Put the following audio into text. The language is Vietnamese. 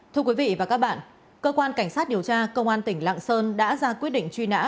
thưa quý vị và các bạn cơ quan cảnh sát điều tra công an tỉnh lạng sơn đã ra quyết định truy nã